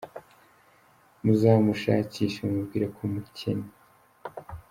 Muzamushakishe mumubwire ko mukenye